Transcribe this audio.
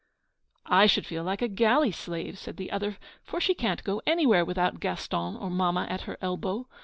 'I should feel like a galley slave,' said the other. 'For she can't go anywhere without Gaston or Mamma at her elbow.